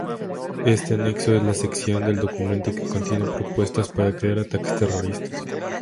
Este anexo es la sección del documento que contiene propuestas para crear ataques terroristas.